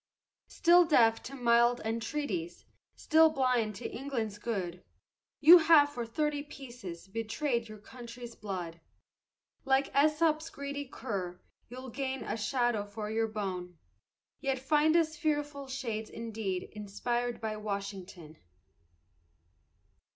Still deaf to mild entreaties, still blind to England's good, You have for thirty pieces betrayed your country's blood. Like Esop's greedy cur you'll gain a shadow for your bone, Yet find us fearful shades indeed inspired by Washington.